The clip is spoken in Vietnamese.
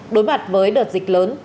đối mặt với đợt dịch lớn